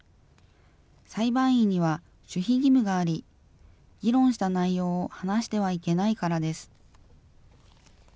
裁判員には守秘義務があり、議論した内容を話してはいけないからです。